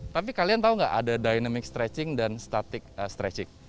tapi kalian tahu nggak ada dynamic stretching dan static stretching